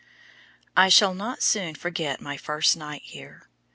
I shall not soon forget my first night here.